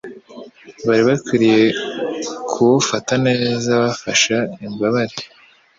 bari bakwiriye kuwufata neza bafasha imbabare.